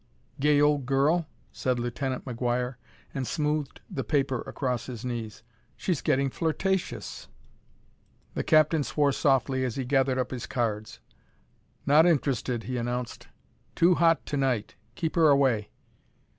"Gay old girl!" said Lieutenant McGuire and smoothed the paper across his knees. "She's getting flirtatious." The captain swore softly as he gathered up his cards. "Not interested," he announced; "too hot to night. Keep her away."